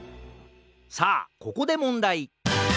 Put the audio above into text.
さあここでもんだい！